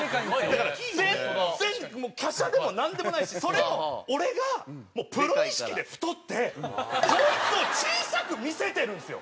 だから全然華奢でもなんでもないし。それを俺がプロ意識で太ってこいつを小さく見せてるんですよ。